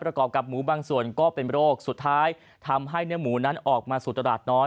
กรอบกับหมูบางส่วนก็เป็นโรคสุดท้ายทำให้เนื้อหมูนั้นออกมาสู่ตลาดน้อย